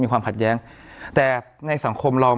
ความขัดแย้งแต่ในสังคมเรา